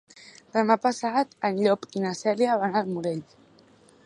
Demà passat en Llop i na Cèlia van al Morell.